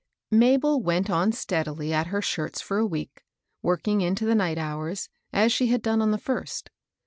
Mabel went on steadily at her shirts for a week, working into the night hours, as she had done on the first.